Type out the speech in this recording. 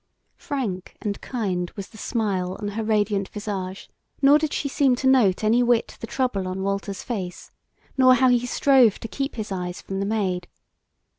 Frank and kind was the smile on her radiant visage, nor did she seem to note any whit the trouble on Walter's face, nor how he strove to keep his eyes from the Maid.